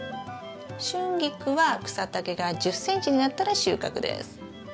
シュンギクは草丈が１０ｃｍになったら収穫です。